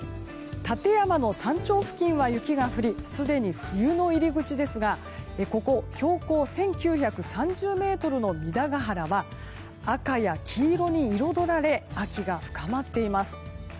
立山の山頂付近は雪が降りすでに冬の入り口ですがここ標高１９３０ｍの弥陀ヶ原は赤や黄色に彩られ秋が深まっています。